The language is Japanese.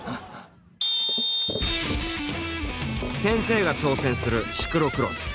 先生が挑戦するシクロクロス。